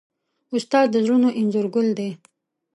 استاد د زړونو انځورګر دی.